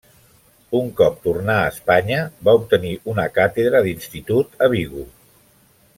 Un cop tornà a Espanya, va obtenir una càtedra d'institut a Vigo.